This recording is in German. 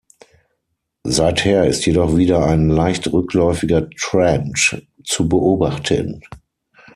Seither ist jedoch wieder ein leicht rückläufiger Trend zu beobachten.